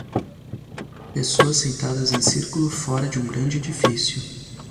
Pessoas sentadas em círculo fora de um grande edifício.